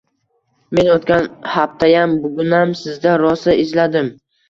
Men o‘tgan haptayam, bugunam sizdi rosa izladim